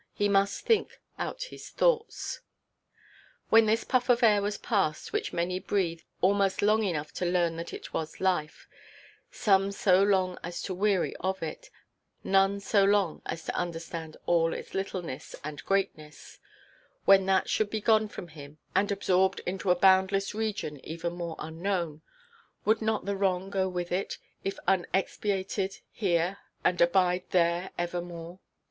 He must think out his thoughts. When this puff of air was past which many breathe almost long enough to learn that it was "life," some so long as to weary of it, none so long as to understand all its littleness and greatness—when that should be gone from him, and absorbed into a boundless region even more unknown, would not the wrong go with it, if unexpiated here, and abide there evermore?